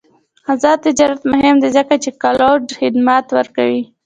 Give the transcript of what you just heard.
آزاد تجارت مهم دی ځکه چې کلاؤډ خدمات ورکوي.